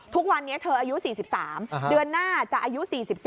ทุกวันนี้เธออายุ๔๓เดือนหน้าจะอายุ๔๓